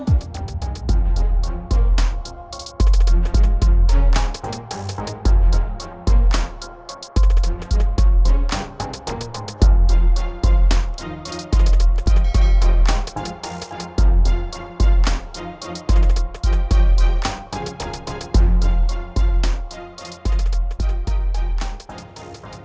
santai aja dong